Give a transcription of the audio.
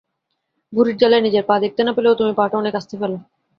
ভুঁড়ির জ্বালায় নিজের পা দেখতে না পেলেও তুমি পা টা অনেক আস্তে ফেলো।